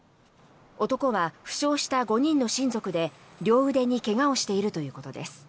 男は負傷した５人の親族で両腕に怪我をしているということです。